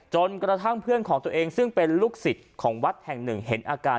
จนกระทั่งเพื่อนของตัวเองซึ่งเป็นลูกศิษย์ของวัดแห่งหนึ่งเห็นอาการ